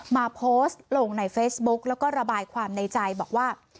มาโพสต์ลงในเฟซบุ๊กแล้วก็ระบายความในใจบอกว่า